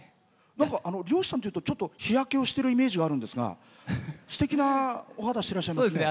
漁師さんっていうと日焼けをしてるイメージあるんですがすてきなお肌してらっしゃいますね。